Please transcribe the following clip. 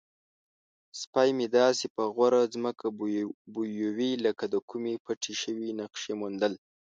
سپی مې داسې په غور ځمکه بویوي لکه د کومې پټې شوې نقشې موندل.